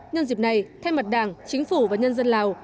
nhân dịp này thay mặt đảng chính phủ và nhân dân lào